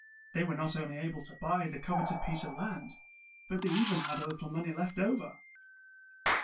They were not only able to buy the coveted piece of land, but they even had a little money left over.